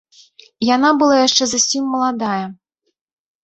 Яна была яшчэ зусім маладая.